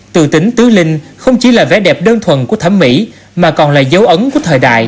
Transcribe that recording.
từ tính tứ linh không chỉ là vẻ đẹp đơn thuần của thẩm mỹ mà còn là dấu ấn của thời đại